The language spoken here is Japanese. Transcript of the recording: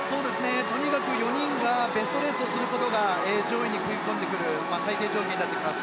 とにかく４人がベストレースをすることが上位に食い込んでくる最低条件になってきます。